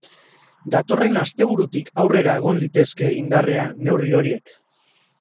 Datorren asteburutik aurrera egon litezke indarrean neurri horiek.